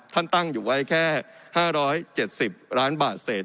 ตั้งอยู่ไว้แค่๕๗๐ล้านบาทเศษ